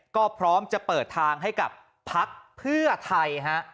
ก็พร้อมจะเปิดทางให้กับพักเพื่อไทยฮะ